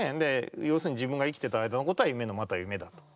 要するに自分が生きてた間のことは夢のまた夢だと。